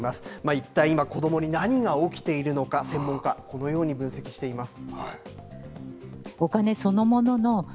一体、今、子どもに何が起きているのか、専門家、このように分析しています。